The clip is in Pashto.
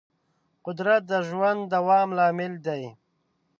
قدرت د ژوند د دوام لامل دی.